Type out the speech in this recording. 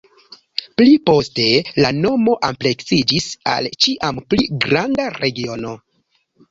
Pli poste la nomo ampleksiĝis al ĉiam pli granda regiono.